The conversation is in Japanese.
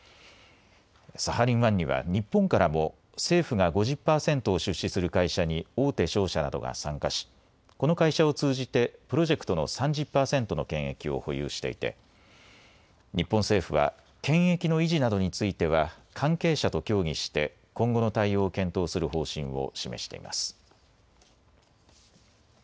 サハリン１には日本からも政府が５０％を出資する会社に大手商社などが参加しこの会社を通じてプロジェクトの３０％の権益を保有していて日本政府は権益の維持などについては関係者と協議して今後の対応を検討する方針を示しています。